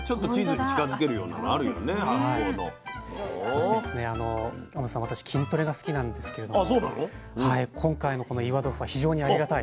そして天野さん私筋トレが好きなんですけれども今回のこの岩豆腐は非常にありがたい。